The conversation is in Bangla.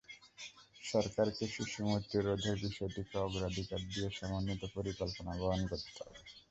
সরকারকে শিশুমৃত্যু রোধের বিষয়টিকে অগ্রাধিকার দিয়ে সমন্বিত পরিকল্পনা গ্রহণ করতে হবে।